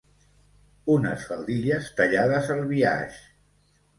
Unes faldilles tallades al biaix.